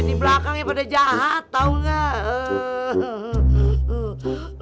di belakangnya pada jahat tau nggak